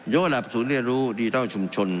โยกระดับศูนย์เรียนรู้ดิจิตัลชุมชน